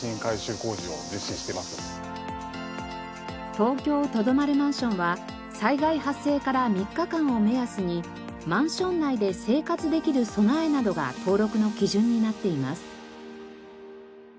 東京とどまるマンションは災害発生から３日間を目安にマンション内で生活できる備えなどが登録の基準になっています。